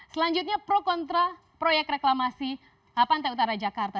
selanjutnya pro kontra proyek reklamasi pantai utara jakarta